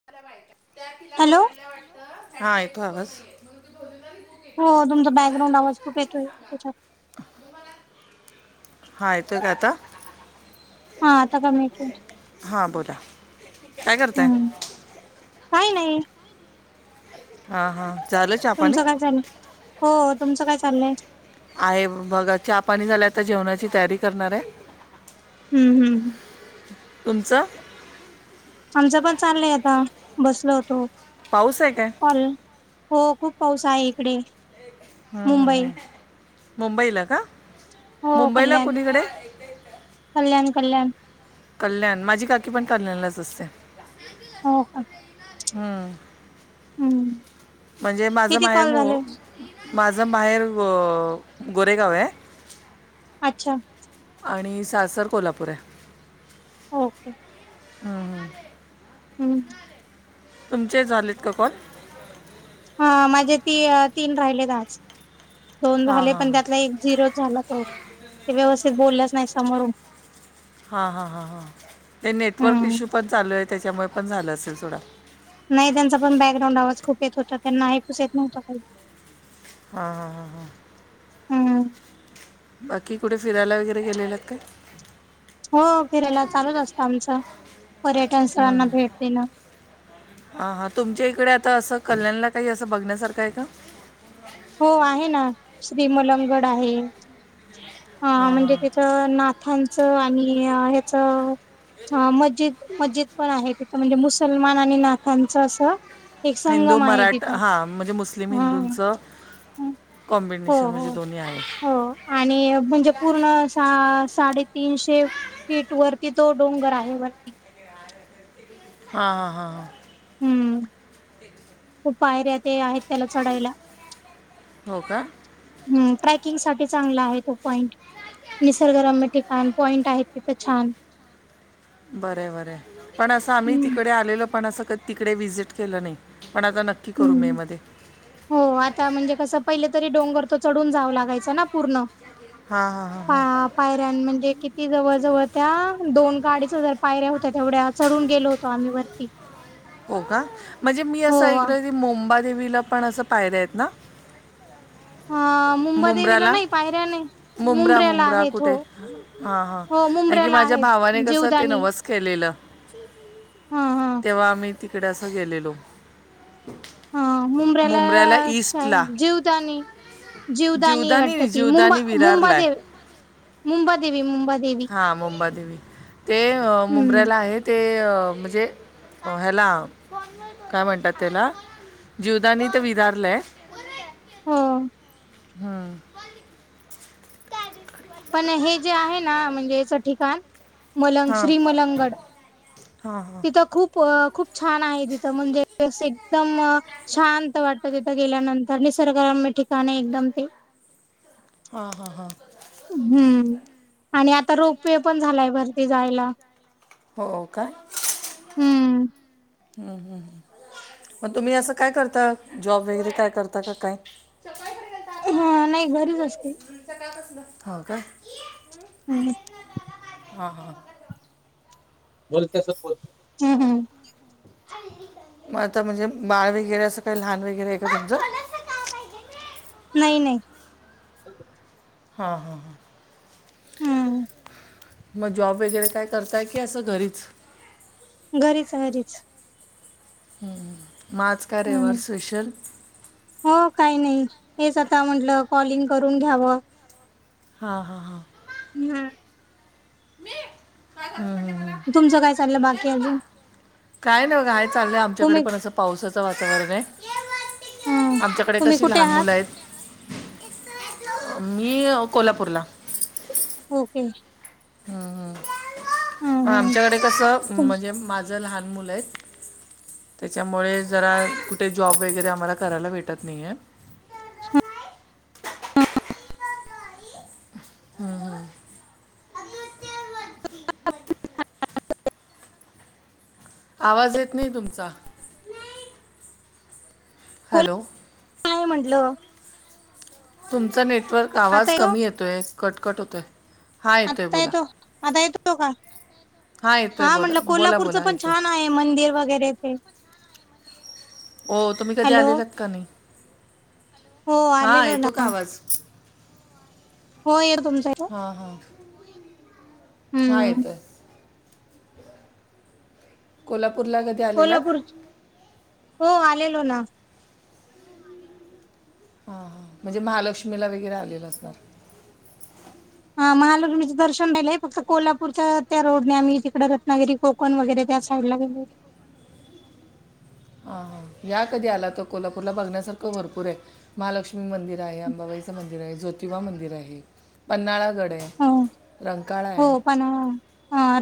[unintelligible] Hello. हा, येतो आवाज. हा, तुमचा बॅकग्राउंड आवाज खूप येतोय. हा, येतोय काय आता? हा, आता कमी येतोय. हा बोला काय हा. करताय काही नाही. हा हा. झालं चहा पाणी तुमचं काय चाललंय? हो. तुमचं काय चाललंय? आहे बघा. चहा पाणी झालं. आता जेवणाची तयारी करणार हाय हम्म हम्. तुमचं? आमचं पण चाललंय आता, बसलो होतो. पाऊस आहे काय? [inaudible] हो खूप पाऊस आहे इकडे. ह मुंबई हा. मुंबईला का? हो. मुंबईला कल्याण, कुणीकडे कल्याण, कल्याण. कल्याण, माझी काकी पण कल्याणलाच असते. हो. हम्म. हम्म. म्हणजे माझं किती माहेर कॉल झाले मो. माझं माहेर ग गोरेगांव आहे. अच्छा. आणि सासर कोल्हापूर आहे. ओके. हम्म, हम्म. हम्म. तुमचे झालेत का कॉल? ह माझे ती तीन राहिले आज. दोन हां झाले, हां पण हां त्यातला एक झरो झाला. तो ते व्यवस्थित बोलल्याच नाही समोरून. हा हा हा हा. ते नेटवर्क हम्म इश्यू पण चालू आहे, त्याच्यामुळे पण झालं असेल सोडा नाही, त्यांचा पण बॅकग्राऊंड आवाज खूप येत होता. त्यांनाहीपसत नव्हतं काही. हां हां हां हां. हम्म बाकी, कुठे फिरायला वगैरे गेलेलं काय? हो फिरायला चालूच असतं आमचं पर्यटन स्थळांना भेट देणं. हा हा तुमच्या इकडे आता असं कल्याणला काही असं बघण्यासारखं आहे का. हो आहे ना श्री मलगड आहे ह हां म्हणजे हां तिथं ना आमचं आणि ह्याच मस्जिद मस्जिद पण आहे तिथं म्हणजे मुसलमान आणि नाकांच असं एक हिंदू संगम आहे मराठ तिथं हा म्हणजे मुस्लिम हा हिंदूंचं हो कॉम्बिनेशन म्हणजे हो दोन्ही आहे. हो आणि म्हणजे पूर्ण सा साडेतीनशे पीठ वरती तो डोंगर आहे वरती हां हां हां हां हम्म खूप पायऱ्या ते आहेत त्याला चढायला हो का हम्म ट्रॅकिंगसाठी चांगला आहे तो पॉईंट निसर्गरम्य ठिकाण पॉईंट आहे बरं हाय बरं हाय पण असं आम्ही हम्म. तिकडे आलेल पण असं कधी तिकडे व्हिजिट केलं नाही पण आता नक्की करू हम्म मेमध्ये हो आता म्हणजे कसं पहिले तरी डोंगर त चढून जावं लागायचं ना पूर्ण. हा हा हा पा हा पायऱ्यां म्हणजे किती जवळ जवळ त्या दोन का अडीच हजार पायऱ्या होत्या तेवढ्या चढून गेलो होतो आम्ही वरती हो का म्हणजे मी हो. असं ऐकलं की मुंबादेवीला पण असं पायऱ्या आहेत ना. ह मुंबदेवीला नाही पायऱ्याने मुबरा मुबरा कुठे हा हा हो आण की मुंब्र्याला माझ्या आहेत भावाने कस ते जीवदानी नवस केलेलं हा हा तेव्हा आम्ही तिकडे असं गेलेलो हा मुबऱ्याला मुंब्र्याला श ईस्टला जिवतानी जीवदानी वाटत त मुंबा बारलाय मुंबादेव मुंबादेवी मुंबादेवी. हा मुंबादेवी ते हम्म. मुंबऱ्याला आहेत. ते म्हणजे ह्याला काय म्हणतात त्याला जीवदानी तर विधारलंय हो हम्म पण हे जे आहे ना म्हणजे याच ठिकाण मलंग हां श्री मलंगड हां हां तिथं खूप खूप छान आहे तिथं म्हणजे एकदम शांत वाटत तिथं गेल्यानंतर निसर्गराम्य ठिकाणे एकदम ते हा हा हा हम्म आणि आता रोपवे पण झालाय भरती जायला हो काय हम्म हम्म हम् मग तुम्ही असं काय करता जॉब वगैरे काय करता का काय ह नाही घरीच असते. हो का हम्म, हा हा बोलसोल मग आता म्हणजे बाळ वगैरे असं काही लहान वगैरे आहे का तुमचं. नाही नाही हां हां हां हम्म मग जॉब वगैरे काय करताय की असं घरीच, घरीच घरीच हम्म आज काय हम्म. रविवार स्पेशल. हो काही नाही हेच आता म्हंटलं कॉलिंग करून घ्यावं हां हां हां हम्म. मी काय झालं म्हटलं मला. तुमचं काय चाललं बाकी अजून काय नाही बघा हे चाललंय आमच्याकडे तुम्ही पण असं पावसाचं वातावरण आहे हं आमच्याकडे तुम्ही कशी कुठे लहान आहात? मुलं आहेत मी कोल्हापूरला ओके. हम्म. हं हं आमच्याकडे कसं तुम म्हणजे माझं लहान मुलं आहेत. त्याच्यामुळे जरा कुठे जॉब वगैरे आम्हाला करायला भेटत नाहीे. हा. हम हम. आवाज येत नाही तुमचा. हॅलो. काय म्हटलं? तुमचा नेटवर्क आता आवाज येतो कमी येतोय कटकट होतोय हा येतोय आता बोला येतो आता तो का बघा. येतोय हा बोला म्हटलं बोला कोल्हापूरचं बोला पण येतो छान आहे मंदिर वगैरे ते हो तुम्ही कधी हॅलो आलेलात का नाही? हो हा आलेलो ना येतो का आवाज. हो येर तुमचं हा हा हा हम्म येतो येतो. कोल्हापूरला ग कोल्हापूर हो आलेलो ना हा हा म्हणजे महालक्ष्मीला वगैरे आलेलं सर हा महालक्ष्मीचं दर्शन राहिलंय फक्त कोल्हापूरच्या त्या रोडने आम्ही तिकडे रत्नागिरी को कोण वगैरे त्या साईड ला गेलो होतो, हा ह् या कधी आला तर कोल्हापूरला बघण्यासारखं भरपूर आहे महालक्ष्मी मंदिर आहे अंबाबाईचं मंदिर आहे ज्योतिबा मंदिर आहे पन्हाळा गड आहे, हो रंकाळा हो आहे पण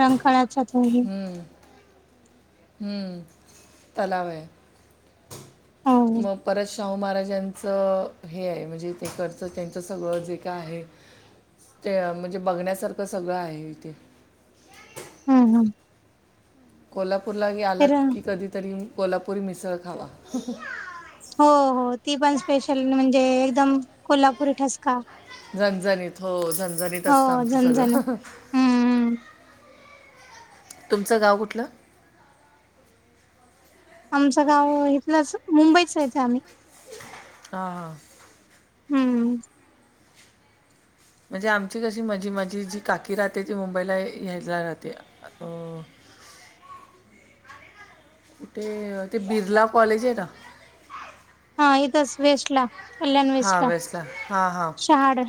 रंकाळा च्या खोलीत हम्म, हम्म तलाव आहे. हो मग परश्. शाहू महाराजांचं हे आहे म्हणजे तिकडंच त्यांचं सगळं जे काय आहे. ते म्हणजे बघण्यासारखं सगळं आहे इथे हम् हम कोल्हापूरलाही आलात तर की कधीतरी कोल्हापूरी मिसळ खावा हो हो ती पण स्पेशल म्हणजे एकदम कोल्हापुरी ठसका-‍- झणझणीत हो झणझणीत असतं आमचं झणझण सगळं हम्म. तुमचं गाव कुठलं? आमचं गाव इथलंच मुंबईचयचं आम्ही हां. हम्म. म्हणजे आमची कशी माझी माझी जी काकी राहते ती मुंबईला येज राहते अ ते ते बिरला कॉलेज आहे ना हा इथच वेस्ट ला कल्याण वेस्ट हां ला वेस्टला हां हां शहाड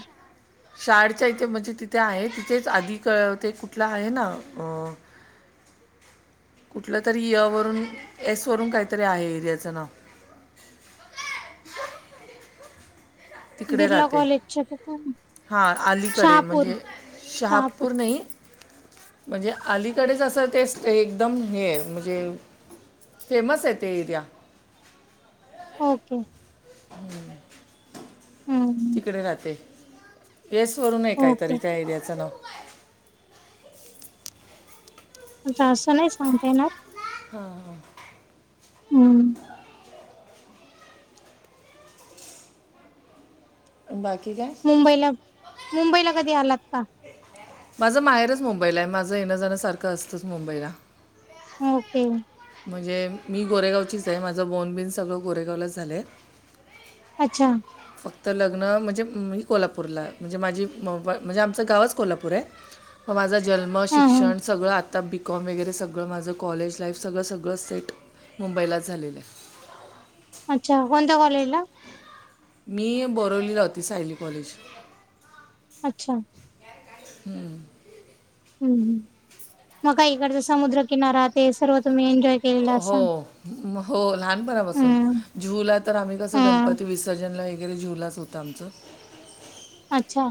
शाळच्या इथे म्हणजे तिथे आहे तिथेच आधी क ते कुठला आहे ना अ [inaudible] कुठलं तरी य वरून, एस वरून काहीतरी आहे एरियाचं नाव. तिकडे बिर्ला राहते. कॉलेजच्या तिथं हां. अलीकडे शहापूर म्हणजे शहापूर नाही- म्हणजे अलीकडेच असं ते एकदम हे आहे. म्हणजे- फेमस आहे ते एरिया. ओके. हम्म. तिकडे राहते. येस वरून आहे ओके. काहीतरी त्या एरियाचं नाव. आता असं नाही सांगता येणार. हा हा. हम्म. बाकी काय? मुंबईला. मुंबईला कधी आलात का? माझं माहेरच मुंबईला आहे. माझं येणं जाण सारखं असतच मुंबईला. ओके. म्हणजे मी गोरेगावचीच आहे. माझं बोर्न बीन सगळं गोरेगावलाच झालंय. अच्छा. फक्त लग्न म्हणजे, मी कोल्हापूरलाये. म्हणजे माझी, म्हणजे आमचं गावच कोल्हापूर आहे. मग माझा जन्म, हां, हां. शिक्षण सगळं आ- आता बी कॉम वगैरे सगळं माझं कॉलेज लाईफ सगळं सगळं सेट मुंबईलाच झालेलं आहे. अच्छा. कोणत्या कॉलेजला? मी बोरवलीला होती. सायली कॉलेज. अच्छा. हम्म. हम्. हम्म. मग का इकडचा समुद्रकिनारा ते सर्व तुम्ही एन्जॉय- केलेला हो. असाल हो लहानपणापासून. हम्म जू हू ला तर आम्ही कसं? हम्म गणपती विसर्जनला वगैरे जू हूलाच होतं आमचं. अच्छा.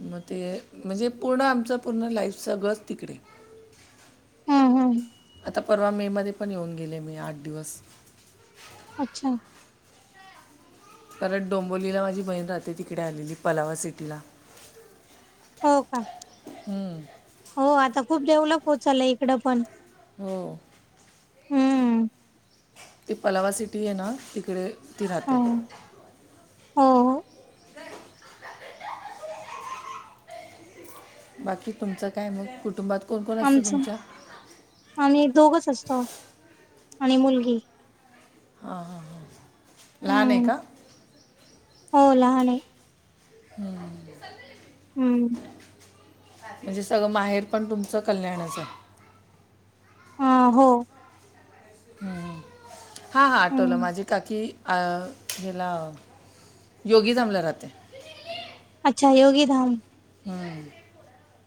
मग ते म्हणजे पूर्ण आमचं, पूर्ण लाईफ सगळंच तिकडे. हम् हम्. आता परवा मे मध्ये पण येऊन गेले मी आठ दिवस. अच्छा. परत डोंबोलीला माझी बहीण राहते. तिकडे आलेली पलावा सिटीला. हो का? हम्म. हो. आता खूप डेव्हलप होत चाललय इकडं पण. हो. हम्म ती पलावा सिटी आहे ना? तिकडे ती राहते. होय. बाकी तुमचं काय मग? कुटुंबात कोण कोण असतं आमचं तुमच्या? आम्ही दोघच असतो आणि मुलगी. हां हां ह. लहान आहे हम्म का? हो लहान आहे हम्म. हम्म. म्हणजे सगळं माहेर पण तुमचं कल्याणच आहे. हं. हो. ह्. हा हा आठवलं. हम्म माझी काकी अ ह्याला- योगी धामला राहते. अच्छा. योगी धाम. हम्म.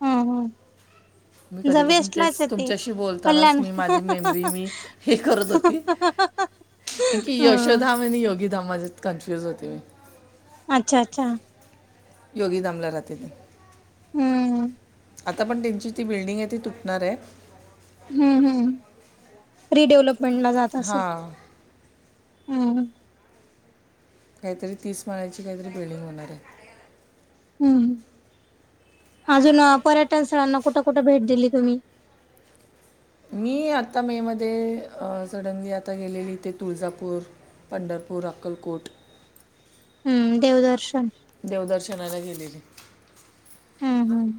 हम्म हम्म. मी ज कधीपासून वेस्टलाच तेच आहेत. ती तुमच्याशी बोलतानाच कल्याण. मी माझी मेमरी मी ह. [unintelligible] इ की यशोधाम आणि योगी धाम माझ कन्फ्युज होते मी. अच्छा अच्छा. योगी धामला राहते मी. हम्म, आता पण त्यांची ती बिल्डिंग आहे ती तुटणार आहे. हम्म हम् रिडेव्हलपमेंटला जात असल. हां हम् हम. काहीतरी तीस माळाची काहीतरी बिल्डिंग होणार आहे. हम् अजून पर्यटन स्थळांना कुठं कुठे भेट दिली तुम्ही? मी आता मे मध्ये सडनली आता गेलेली ते तुळजापूर, पंढरपूर, अक्कलकोट. हम्म देवदर्शन. देवदर्शनाला गेलेली. हम् हम्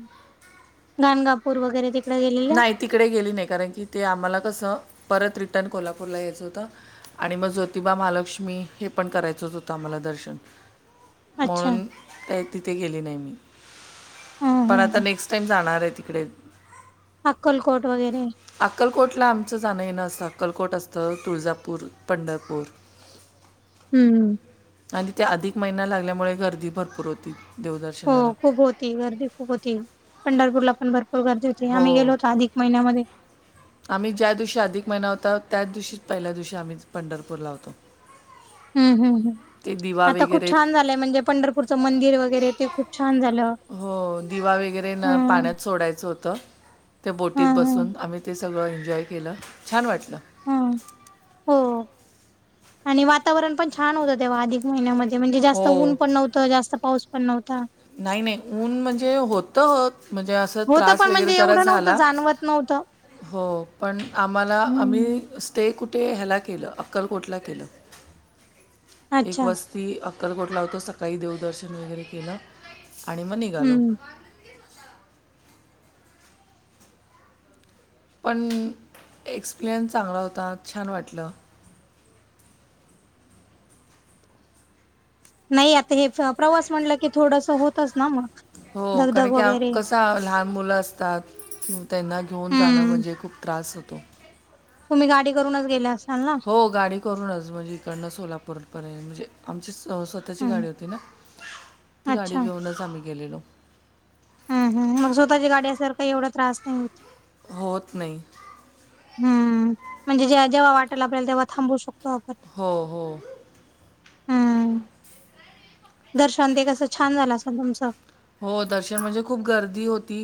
गाणगापूर वगैरे तिकडे गेलेला? नाही तिकडे गेली नाही. कारण की ते आम्हाला कसं परत रिटर्न कोल्हापूरला यायचं होतं. आणि मग ज्योतिबा, महालक्ष्मी हे पण करायचंच होतं आम्हाला दर्शन. अच्छा म्हणून काय तिथे गेले नाही मी. हम्म पण हम्म आता हम्म नेक्स्ट टाइम जाणार आहे तिकडे. अक्कलकोट वगैरे. अक्कलकोटला आमचं जाणं येणं असतं. अक्कलकोट असतं. तुळजापूर, पंढरपूर. हम्म, आणि त्या अधिक महिना लागल्यामुळे गर्दी भरपूर होती देवदर्शनाला. ती गर्दी खूप होती. पंढरपूरला पण भरपूर गर्दी होती. हो आम्ही गेलो होतो अधिक महिन्यामध्ये आम्ही ज्या दिवशी अधिक महिना होता. त्याच दिवशीच पहिल्या दिवशी आम्हीच पंढरपूरला होतो. हम्म, हम् हम ते दिवा आता खूप वगैरे छान झालंय म्हणजे, पंढरपूरचं मंदिर वगैरे ते खूप छान झालं. हो, दिवा वगैरे न हम्म पाण्यात सोडायचं होतं. त्या बोटीत हम्म हम्म बसून आम्ही ते सगळं एन्जॉय केलं छान वाटलं. हा, हो आणि वातावरण पण छान होतं तेव्हा अधिक महिन्यामध्ये म्हणजे हो जास्त ऊन पण नव्हतं. जास्त पाऊस पण नव्हता. नाही नाही ऊन म्हणजे होत म्हणजे असं. तर होतं त्रास पण वगैरे म्हणजे जरा एवढं नव्हतं झाला. जाणवत नव्हतं. हो पण आम्हाला हम्म. आम्ही ते कुठे ह्याला केलं. अक्कलकोटला केलं एक अच्छा वस्त ती अक्कलकोटला होतो. सकाळी देवदर्शन वगैरे केलं आणि मग निघालो. हम्म पण एक्सपिरियन्स चांगला होता छान वाटलं. नाही. आता हे प्रवास म्हणलं की थोडस होतच ना मग. हो, धगधग कारण की वगैरे कस. का लहान मुलं असतात. त्यांना घेऊन जाणं हम्म म्हणजे खूप त्रास होतो. तुम्ही गाडी करूनच गेला असाल ना. हो, गाडी करूनच म्हणजे इकडनं सोलापूरपर्यंत म्हणजे आमचीच स्वतः ची गाडी हम्म होती. ना ती गाडी अच्छा घेऊनच आम्ही गेलेलो. हम् हम, मग स्वतःच्या गाडी असल्यावर एवढा त्रास नाही होत. होत नाही. हम्म, म्हणजे जेव्हा जेव्हा वाटला आपल्याला तेव्हा थांबू शकतो आपण. हो हो. हम्म दर्शन ते कसं छान झालं असल तुमचं. हो, दर्शन म्हणजे खूप गर्दी होती.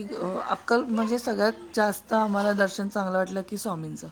अक्कल म्हणजे सगळ्यात जास्त आम्हाला दर्शन चांगलं वाटलं. ते स्वामींच.